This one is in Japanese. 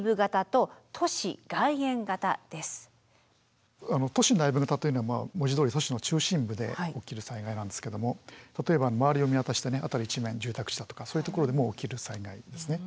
この都市内部型っていうのは文字どおり都市の中心部で起きる災害なんですけども例えば周りを見渡して辺り一面住宅地だとかそういうところでも起きる災害ですね。